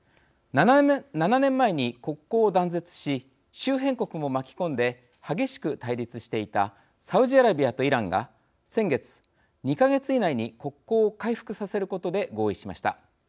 ７年前に国交を断絶し周辺国も巻き込んで激しく対立していたサウジアラビアとイランが先月２か月以内に国交を回復させることで合意しました。